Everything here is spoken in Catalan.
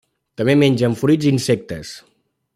També mengen fruits i insectes.